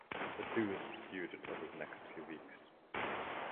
The two then feuded over the next few weeks.